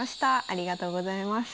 ありがとうございます。